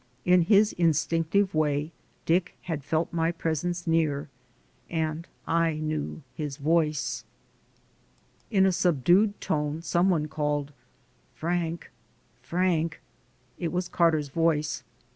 In his instinctive way, Dick had felt my presence near, and I knew his voice. In a subdued tone some one called, "Frank ... Frank ..." It was Carter's voice.